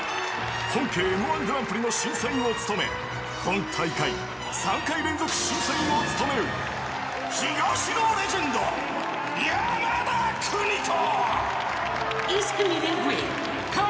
［本家Ｍ−１グランプリの審査員を務め本大会３回連続審査員を務める東のレジェンド山田邦子］